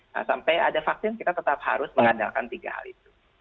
nah sampai ada vaksin kita tetap harus mengandalkan tiga hal itu